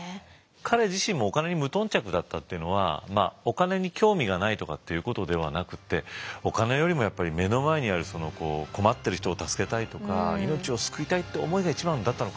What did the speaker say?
彼自身もお金に無頓着だったっていうのはお金に興味がないとかっていうことではなくてお金よりもやっぱり目の前にある困ってる人を助けたいとか命を救いたいって思いが一番だったのかもしれないね。